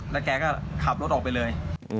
แล้วแกก็ขับรถออกไปเลย